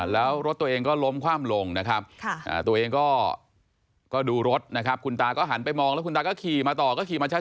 แล้วรถตัวเองก็ล้มคว่ำลงนะครับตัวเองก็ดูรถนะครับคุณตาก็หันไปมองแล้วคุณตาก็ขี่มาต่อก็ขี่มาชัด